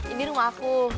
ini rumah aku